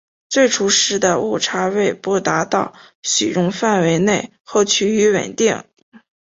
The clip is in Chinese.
最初时的误差为不达到许容范围内后趋于稳定。